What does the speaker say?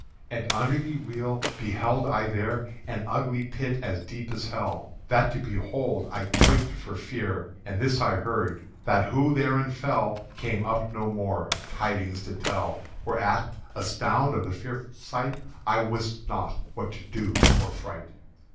"_And under the wheel beheld I there An ugly Pit as deep as hell, That to behold I quaked for fear: And this I heard, that who therein fell Came no more up, tidings to tell: Whereat, astound of the fearful sight, I wist not what to do for fright.